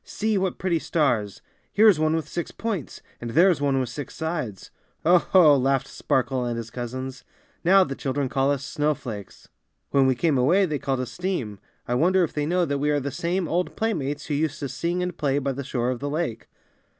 See, what pretty stars! Here is one with six points, and there is one with six sides. ^^0 ho!^' laughed Sparkle and his cousins. ^^Now the children call us snowflakes. When we came away they called us steam. I won der if they know that we are the same old playmates who used to sing and play by the shore of the lake.